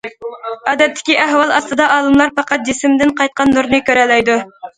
ئادەتتىكى ئەھۋال ئاستىدا، ئالىملار پەقەت جىسىمدىن قايتقان نۇرنى كۆرەلەيدۇ.